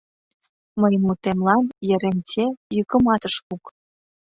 Мыйын мутемлан Еренте йӱкымат ыш лук.